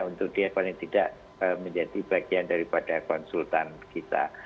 untuk dia paling tidak menjadi bagian daripada konsultan kita